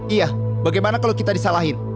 iya bagaimana kalau kita disalahin